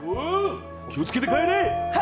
気をつけて帰れ。